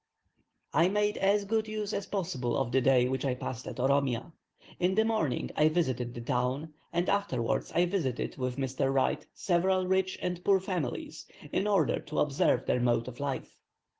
I made as good use as possible of the day which I passed at Oromia. In the morning I visited the town, and afterwards I visited, with Mrs. Wright, several rich and poor families, in order to observe their mode of life.